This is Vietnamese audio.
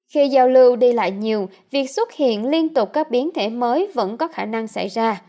khi giao lưu đi lại nhiều việc xuất hiện liên tục các biến thể mới vẫn có khả năng xảy ra